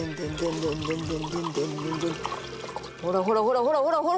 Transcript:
ほらほらほらほらほらほら！